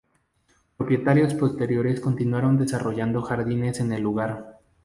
Propietarios posteriores continuaron desarrollando jardines en el lugar.